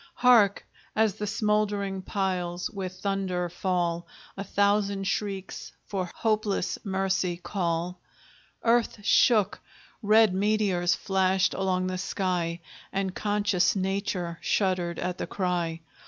Hark, as the smoldering piles with thunder fall, A thousand shrieks for hopeless mercy call! Earth shook red meteors flashed along the sky, And conscious Nature shuddered at the cry!